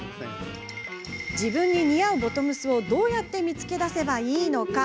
自分に似合うボトムスをどうやって見つけ出せばいいのか。